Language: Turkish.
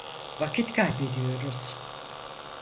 Vakit kaybediyoruz.